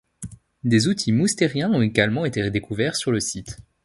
Des outils moustériens ont également été découverts sur le site.